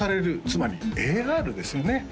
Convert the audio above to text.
つまりＡＲですよね